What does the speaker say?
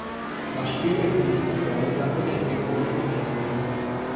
V-aș fi recunoscătoare dacă ne-ați oferi un răspuns.